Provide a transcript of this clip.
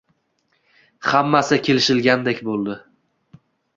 Hammasi kelishilganidek bo`ldi